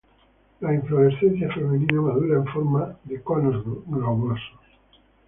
La inflorescencia femenina madura en forma conos globosos.